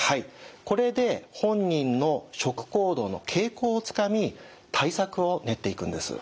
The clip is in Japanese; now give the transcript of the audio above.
これで本人の食行動の傾向をつかみ対策を練っていくんです。